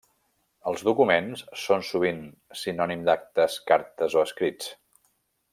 Els documents són sovint sinònim d'actes, cartes o escrits.